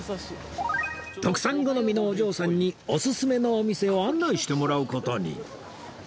徳さん好みのお嬢さんにオススメのお店を案内してもらう事に